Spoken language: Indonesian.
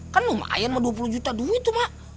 kan lumayan mah dua puluh juta duit tuh emak